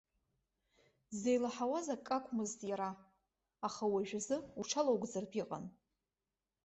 Дзеилаҳауаз акы акәмызт иара, аха уажәазы уҽалоугӡартә иҟан.